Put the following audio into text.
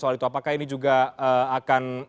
soal itu apakah ini juga akan